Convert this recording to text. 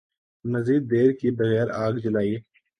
مزید دیر کئے بغیر آگ جلائی ۔